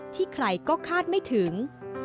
ใครก็คาดไม่ถึง